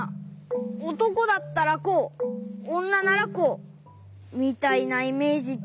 「おとこだったらこうおんなならこう」みたいなイメージっていうか。